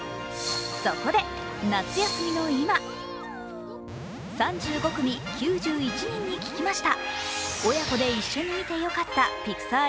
そこで夏休みの今、３５組９１人に聞きました。